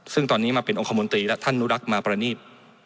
ซึ่งตอนนี้มาเป็นองค์ของมูลตรีแล้วท่านนุรักมาประณีบ